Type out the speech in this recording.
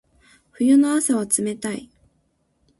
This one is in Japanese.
冬の朝は冷たい。